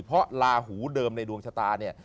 เพราะลาหูเดิมในดวงชะตาเนี่ย